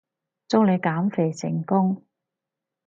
祝你減肥成功